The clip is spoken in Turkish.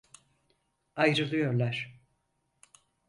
Ayrılıyorlar.